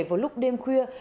vào lúc đêm khuya